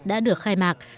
đã được khai mạc